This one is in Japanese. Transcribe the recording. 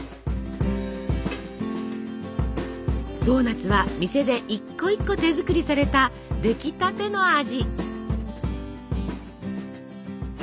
ドーナツは店で一個一個手作りされたできたての味。